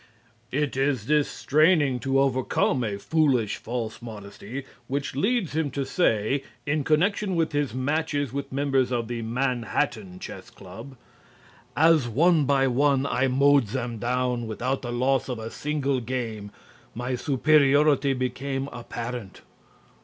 It is this straining to overcome a foolish, false modesty which leads him to say, in connection with his matches with members of the Manhattan Chess Club. "As one by one I mowed them down without the loss of a single game, my superiority became apparent."